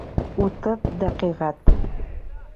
Утыҙ дәҡиғәт.